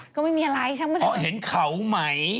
ก็ไม่มีอะไรชั้นเมื่อไหร่อ๋อเห็นเขาไหม